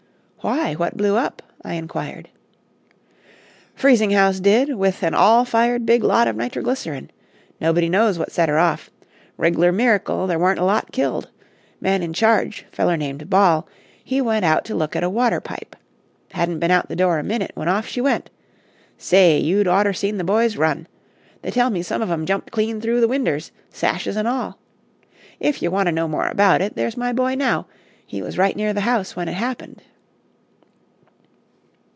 "Why, what blew up?" I inquired. "Freezing house did with an all fired big lot of nitroglycerin. Nobody knows what set her off. Reg'lar miracle there wa'n't a lot killed. Man in charge, feller named Ball, he went out to look at a water pipe. Hadn't been out the door a minute when off she went. Say, you'd oughter seen the boys run! They tell me some of 'em jumped clean through the winders, sashes an' all. If ye want to know more about it, there's my boy now; he was right near the house when it happened."